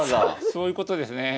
そういうことですね。